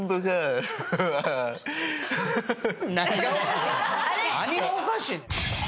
何がおかしいんや？